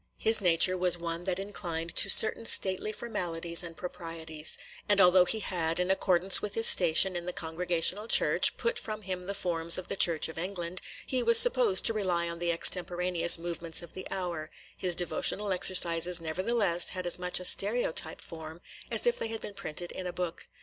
His nature was one that inclined to certain stately formalities and proprieties; and although he had, in accordance with his station in the Congregational church, put from him the forms of the Church of England, and was supposed to rely on the extemporaneous movements of the hour, his devotional exercises, nevertheless, had as much a stereotype form as if they had been printed in a book.